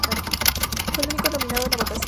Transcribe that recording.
Fue el único nominado en la votación.